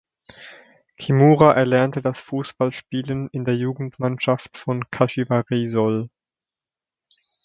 Kimura erlernte das Fußballspielen in der Jugendmannschaft von Kashiwa Reysol.